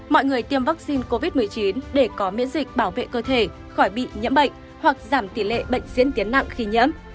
mọi người tiêm vaccine covid một mươi chín để có miễn dịch bảo vệ cơ thể khỏi bị nhiễm bệnh hoặc giảm tỷ lệ bệnh diễn tiến nặng khi nhiễm